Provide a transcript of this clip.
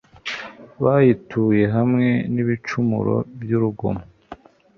bayituye hamwe nibicumuro byurugomo